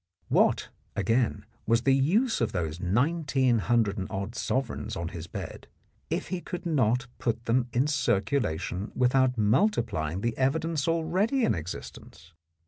What, again, was the use of those nineteen hundred and odd sovereigns on his bed if he could not put them in circulation without multi plying the evidence already in existence?